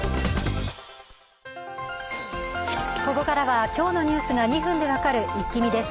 ここからは今日のニュースが２分で分かるイッキ見です。